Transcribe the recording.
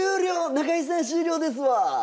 中居さん終了ですわ。